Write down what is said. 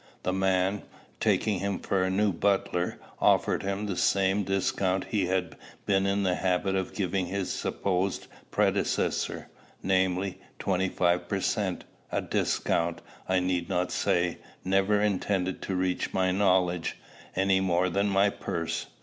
The man, taking him for a new butler, offered him the same discount he had been in the habit of giving his supposed predecessor, namely, twenty five per cent, a discount, I need not say, never intended to reach my knowledge, any more than my purse.